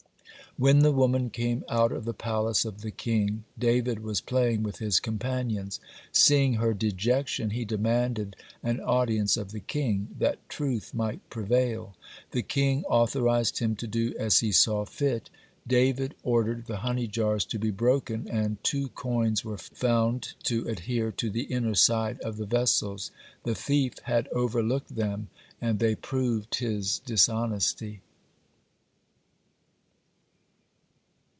When the woman came out of the palace of the king, David was playing with his companions. Seeing her dejection, he demanded an audience of the king, that truth might prevail. The king authorized him to do as he saw fit. David ordered the honey jars to be broken, and two coins were found to adhere to the inner side of the vessels. The thief had overlooked them, and they proved his dishonesty.